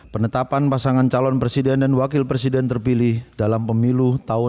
penetapan pasangan calon presiden dan wakil presiden terpilih dalam pemilu dua ribu sembilan belas